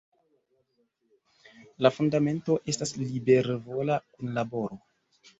La fundamento estas libervola kunlaboro.